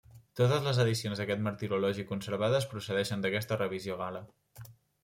Totes les edicions d'aquest martirologi conservades procedeixen d'aquesta revisió gal·la.